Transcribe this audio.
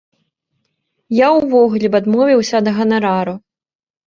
Я ўвогуле б адмовіўся ад ганарару.